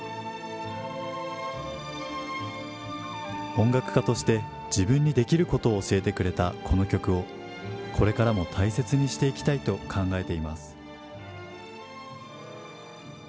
音楽家として自分にできることを教えてくれたこの曲をこれからも大切にしていきたいと考えています。